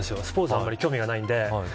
スポーツに興味がないので。